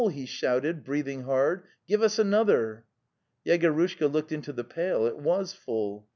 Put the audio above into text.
he shouted, breathing hard. "' Give us another! " Yegorushka looked into the pail: it was full.